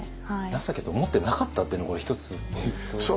情けと思ってなかったっていうのこれ１つポイント。